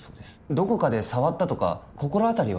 どこかで触ったとか心当たりは？